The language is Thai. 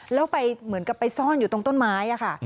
แล้วไปเหมือนกับไปซ่อนอยู่ตรงต้นไม้ค่ะ